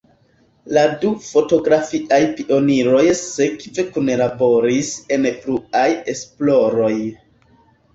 La du fotografiaj pioniroj sekve kunlaboris en pluaj esploroj.